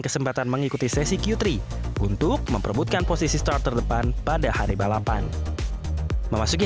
kesempatan mengikuti sesi q tiga untuk memperbutkan posisi start terdepan pada hari balapan memasuki